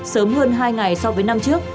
sớm hơn hai ngày so với năm trước